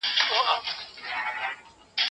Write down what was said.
انسان هيڅکله د تبادلې وړ جنس نه دی.